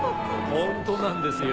ホントなんですよ。